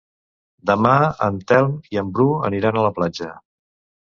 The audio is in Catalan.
Demà en Telm i en Bru aniran a la platja.